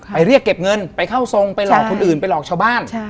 เรียกเก็บเงินไปเข้าทรงไปหลอกคนอื่นไปหลอกชาวบ้าน